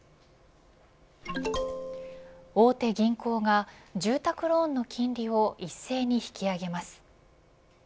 大手銀行が住宅ローンの金利を一斉に引き上げます。